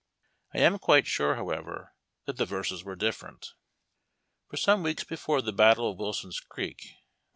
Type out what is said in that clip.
I am quite sure, however, that the verses were different. For some weeks before the battle of Wilson's Creek, Mo.